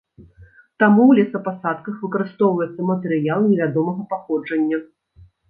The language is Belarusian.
Таму ў лесапасадках выкарыстоўваецца матэрыял невядомага паходжання.